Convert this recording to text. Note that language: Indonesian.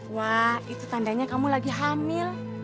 wah itu tandanya kamu lagi hamil